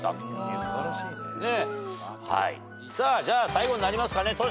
じゃあ最後になりますかね。